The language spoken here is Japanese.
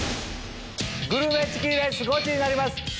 グルメチキンレースゴチになります！